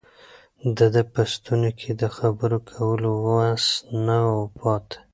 د ده په ستوني کې د خبرو کولو وس نه و پاتې.